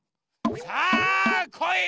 さあこい！